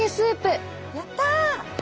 やった！